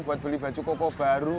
buat beli baju kokoh baru